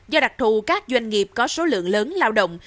do đặc thù các doanh nghiệp có số lượng lớn lao động